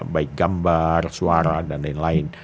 baik gambar suara dan lain lain